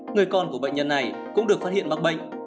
người con của bệnh nhân này cũng được phát hiện mắc bệnh